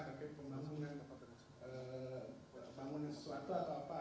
ada proyek proyek berhubungan misalnya kayak pembangunan sesuatu atau apa